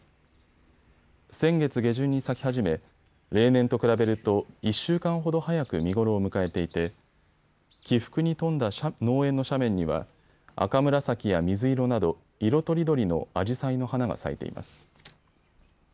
先月下旬に咲き始め、例年と比べると１週間ほど早く見頃を迎えていて起伏に富んだ農園の斜面には赤紫や水色など色とりどりのアジサイの花が咲いています。